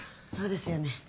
そうですよね